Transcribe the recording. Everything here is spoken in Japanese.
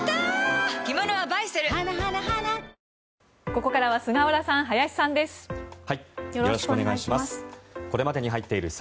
ここからは菅原さん、林さんです。